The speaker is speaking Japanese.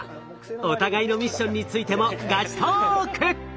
お互いのミッションについてもガチトーク！